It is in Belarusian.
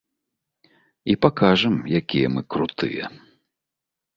І пакажам, якія мы крутыя.